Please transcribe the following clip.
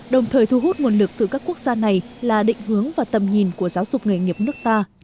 đồng thời thu hút nguồn lực từ các quốc gia này là định hướng và tầm nhìn của giáo dục nghề nghiệp nước ta trong thời gian tới